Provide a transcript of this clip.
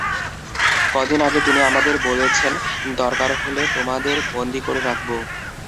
কদিন আগে তিনি আমাদের বলেছেন, দরকার হলে তোমাদের বন্দী করে রাখব।